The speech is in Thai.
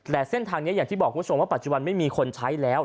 แต่เส้นทางนี้อย่างที่บอกคุณผู้ชมว่าปัจจุบันไม่มีคนใช้แล้ว